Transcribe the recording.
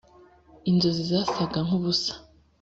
inzozi zasaga nkubusa,